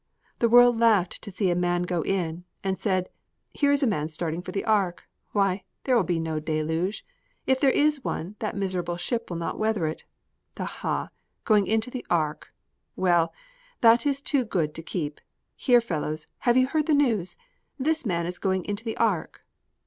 The world laughed to see a man go in, and said, "Here is a man starting for the ark. Why, there will be no deluge. If there is one, that miserable ship will not weather it. Aha! going into the ark! Well, that is too good to keep. Here, fellows, have you heard the news? This man is going into the ark."